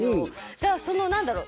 だからそのなんだろう。